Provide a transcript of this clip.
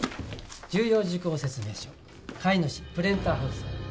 「重要事項説明書買い主プレンターハウス様」